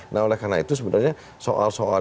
nah oleh karena itu sebenarnya soal soal